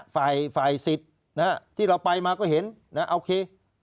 ฝ่ายศิษย์นะครับที่เราไปมาก็เห็นนะโอเค